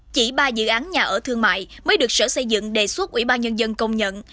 chỉ ba dự án nhà ở thương mại mới được sở xây dựng đề xuất ubnd công nhận